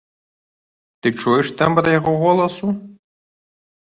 Ты чуеш тэмбр яго голасу?